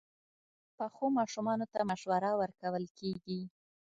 پخو ماشومانو ته مشوره ورکول کېږي